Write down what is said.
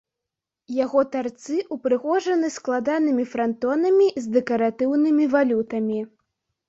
Яго тарцы ўпрыгожаны складанымі франтонамі з дэкаратыўнымі валютамі.